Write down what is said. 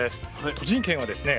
栃木県はですね